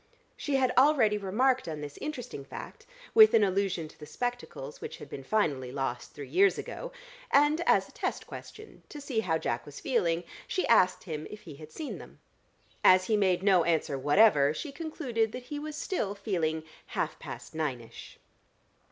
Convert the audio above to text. She had already remarked on this interesting fact, with an allusion to the spectacles which had been finally lost three years ago, and as a test question to see how Jack was feeling, she asked him if he had seen them. As he made no answer whatever, she concluded that he was still feeling half past ninish.